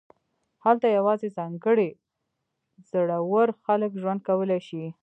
هلته یوازې ځانګړي زړور خلک ژوند کولی شي